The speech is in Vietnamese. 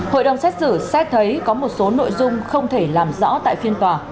hội đồng xét xử xét thấy có một số nội dung không thể làm rõ tại phiên tòa